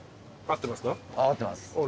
合ってます。